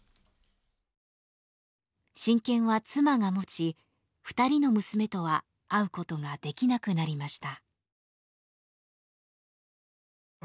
親権は妻が持ち２人の娘とは会うことができなくなりました。